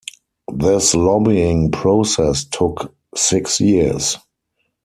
This lobbying process took six years.